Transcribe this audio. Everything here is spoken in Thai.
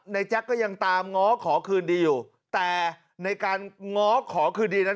แจ๊กก็ยังตามง้อขอคืนดีอยู่แต่ในการง้อขอคืนดีนั้น